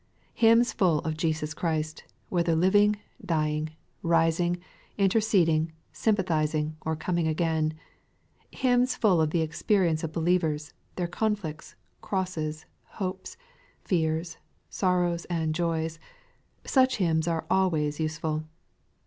Hymns full of Jesus Christ, whether living, dying, rising, inter ceding, sympathizing, or coming again, — hymns full of the experience of believers, their conflicts, crosses, hopes, fears, sorrows, and joys, — such hymns are always useful.